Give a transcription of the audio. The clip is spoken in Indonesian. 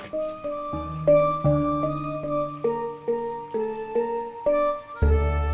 kok papi mami belum pulang ya